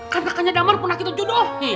kan kakaknya damar pernah kita jodohin